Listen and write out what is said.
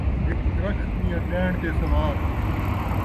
ہک ترکھ ، ٻیا ݙیݨ تے سوار